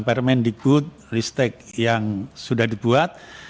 permanent good risk take yang sudah dibuat